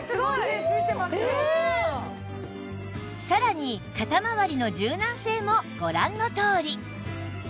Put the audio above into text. さらに肩まわりの柔軟性もご覧のとおり